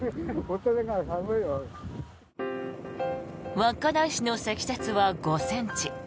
稚内市の積雪は５ｃｍ。